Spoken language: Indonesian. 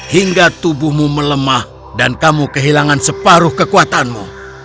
hingga tubuhmu melemah dan kamu kehilangan separuh kekuatanmu